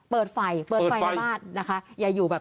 เปิดไฟเปิดไฟในบ้านนะคะ